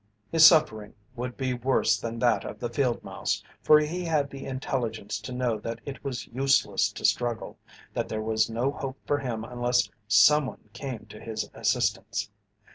His suffering would be worse than that of the field mouse, for he had the intelligence to know that it was useless to struggle, that there was no hope for him unless someone came to his assistance.